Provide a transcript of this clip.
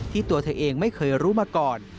ตัวเธอเองไม่เคยรู้มาก่อน